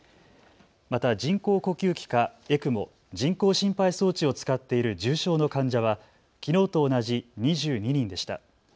また人工呼吸器かＥＣＭＯ・人工心肺装置を使っている重症の患者はきのうと同じ２２人でした。